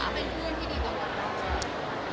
เป็นเพื่อนที่ดีกว่าได้ไหม